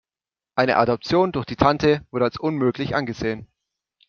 Eine Adoption durch die Tante wird als unmöglich angesehen.